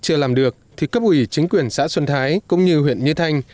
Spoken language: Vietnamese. chưa làm được thì cấp ủy chính quyền xã xuân thái cũng như huyện như thanh